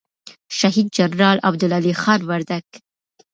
شهید جنرال عبدالعلي خان وردگ